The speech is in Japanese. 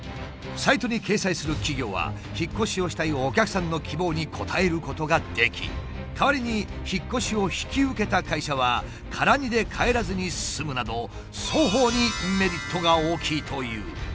サイトに掲載する企業は引っ越しをしたいお客さんの希望に応えることができ代わりに引っ越しを引き受けた会社は空荷で帰らずに済むなど双方にメリットが大きいという。